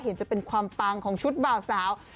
เห็นจะเป็นความปังของชุดบ่าวสาว